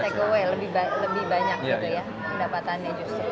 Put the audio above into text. take away lebih banyak gitu ya pendapatannya justru